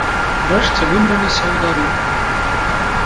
Урэшце выбраліся ў дарогу.